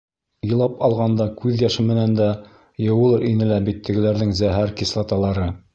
Илап алғанда күҙ йәше менән дә йыуылыр ине лә бит тегеләрҙең зәһәр кислоталары.